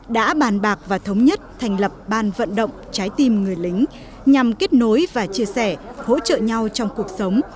đã bàn bạc và thống nhất thành lập ban vận động trái tim người lính nhằm kết nối và chia sẻ hỗ trợ nhau trong cuộc sống